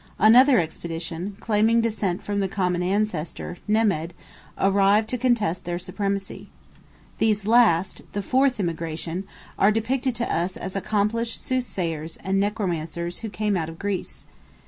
Another expedition, claiming descent from the common ancestor, Nemedh, arrived to contest their supremacy. These last—the fourth immigration—are depicted to us as accomplished soothsayers and necromancers who came out of Greece.